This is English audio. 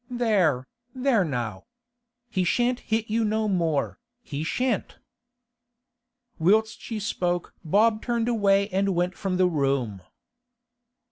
'There, there now! He shan't hit you no more, he shan't!' Whilst she spoke Bob turned away and went from the room.